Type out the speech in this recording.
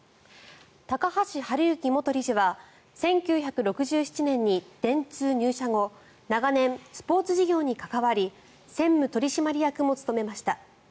高橋治之元理事は１９６７年に電通に入社後長年、スポーツ事業に関わり専務取締役も務めました。